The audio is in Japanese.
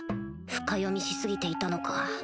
深読みし過ぎていたのか。